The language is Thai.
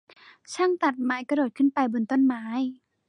ช่างตัดไม้กระโดดขึ้นไปบนต้นไม้